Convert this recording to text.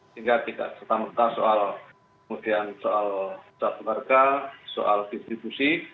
sehingga tidak serta merta soal kemudian soal satu harga soal distribusi